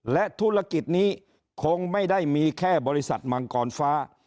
และธุรกิจนี้คงไม่ได้มีแค่บริษัทมังกรฟ้า